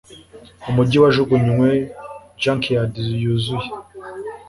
umujyi wajugunywe junkyards yuzura